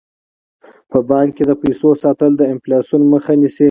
په بانک کې د پیسو ساتل د انفلاسیون مخه نیسي.